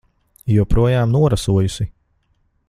Joprojām norasojusi.